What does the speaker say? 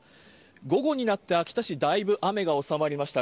午後になって秋田市、だいぶ雨が収まりました。